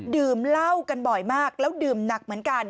ดื่มเหล้ากันบ่อยมากแล้วดื่มหนักเหมือนกัน